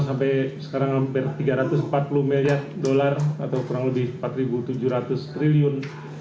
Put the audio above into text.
sampai sekarang hampir tiga ratus empat puluh miliar dolar atau kurang lebih empat tujuh ratus triliun